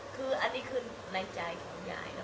คืออันนี้คือในใจของยายค่ะ